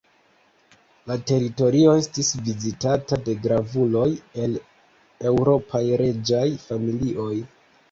La teritorio estis vizitata de gravuloj el eŭropaj reĝaj familioj.